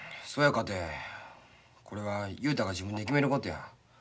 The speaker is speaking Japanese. そやかてこれは雄太が自分で決めることや。